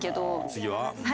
次は？